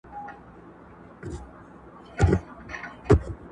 د اوښکو تر ګرېوانه به مي خپله لیلا راسي٫